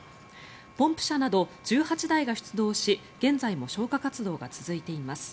ポンプ車など１８台が出動し現在も消火活動が続いています。